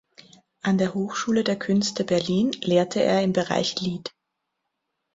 An der Hochschule der Künste Berlin lehrte er im Bereich "Lied".